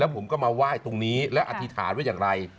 ผมก็มาไหว้ตรงนี้และอธิษฐานว่าอย่างไร